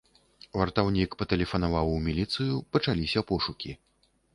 Вартаўнік патэлефанаваў у міліцыю, пачаліся пошукі.